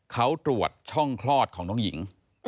เขาตรวจช่องคลอดของน้องหญิง